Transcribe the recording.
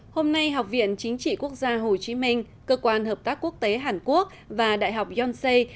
hôm nay học viện chính trị quốc gia hồ chí minh cơ quan hợp tác quốc tế hàn quốc và đại học yonsei